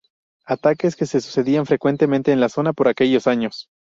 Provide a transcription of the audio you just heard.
Ataques que se sucedían frecuentemente en la zona por aquellos años.